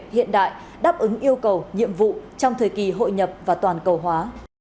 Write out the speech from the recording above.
hiện đại đáp ứng yêu cầu nhiệm vụ trong thời kỳ hội nhập và toàn cầu hóa